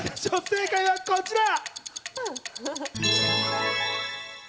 正解はこちら。